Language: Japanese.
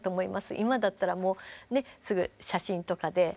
今だったらもうねすぐ写真とかで。